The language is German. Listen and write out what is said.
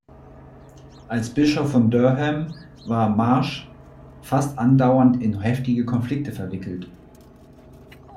Als Bischof von Durham war Marsh fast andauernd in heftige Konflikte verwickelt.